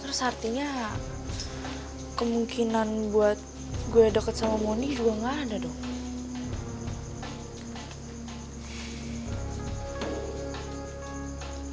terus artinya kemungkinan buat gue deket sama moni juga nggak ada dong